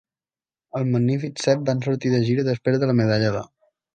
Els Magnífics Set van sortir de gira després de la medalla d'or.